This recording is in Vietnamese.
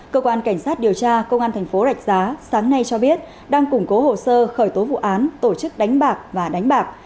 cơ quan cảnh sát điều tra công an thành phố rạch giá sáng nay cho biết đang củng cố hồ sơ khởi tố vụ án tổ chức đánh bạc và đánh bạc